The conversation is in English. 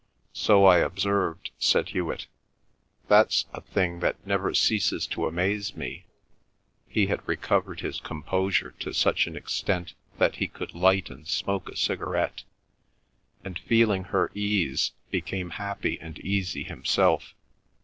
"So I observed," said Hewet. "That's a thing that never ceases to amaze me." He had recovered his composure to such an extent that he could light and smoke a cigarette, and feeling her ease, became happy and easy himself.